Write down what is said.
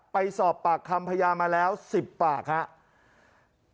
ไปสอบปากคำพยานมาแล้ว๑๐ปากครับ